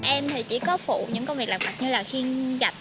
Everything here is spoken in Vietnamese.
em thì chỉ có phụ những công việc làm mặt như là khiên gạch